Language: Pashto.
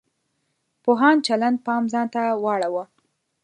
پوهانو چلند پام ځان ته واړاوه.